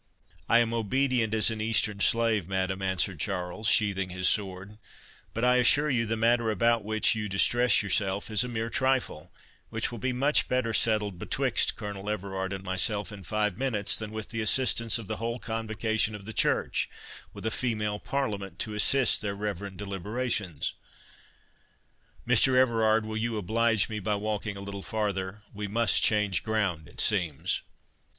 "I am obedient as an Eastern slave, madam," answered Charles, sheathing his sword; "but I assure you, the matter about which you distress yourself is a mere trifle, which will be much better settled betwixt Colonel Everard and myself in five minutes, than with the assistance of the whole Convocation of the Church, with a female parliament to assist their reverend deliberations.—Mr. Everard, will you oblige me by walking a little farther?—We must change ground, it seems."